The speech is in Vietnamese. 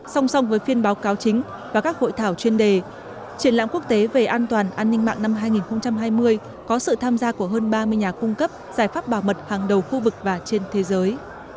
song song với phiên báo cáo chính và các hội thảo chuyên đề triển lãm quốc tế về an toàn an ninh mạng năm hai nghìn hai mươi có sự tham gia của hơn ba mươi nhà cung cấp giải pháp bảo mật hàng đầu khu vực và trên thế giới